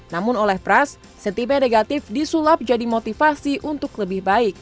namun oleh pras setipe negatif disulap jadi motivasi untuk lebih baik